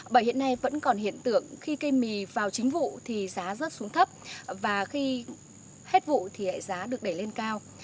bởi hiện nay vẫn còn hiện tượng khi cây mì vào chính vụ thì giá rớt xuống thấp và khi hết vụ thì giá được đẩy lên cao